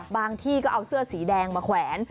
บางที่ก็เอาเสื้อสีแดงมาแขวน